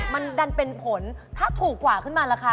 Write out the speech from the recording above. มันดันเป็นผลถ้าถูกกว่าขึ้นมาราคา